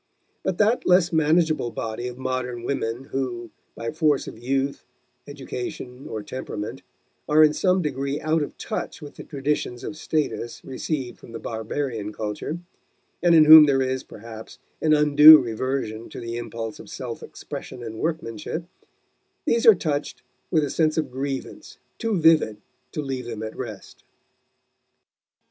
But that less manageable body of modern women who, by force of youth, education, or temperament, are in some degree out of touch with the traditions of status received from the barbarian culture, and in whom there is, perhaps, an undue reversion to the impulse of self expression and workmanship these are touched with a sense of grievance too vivid to leave them at rest.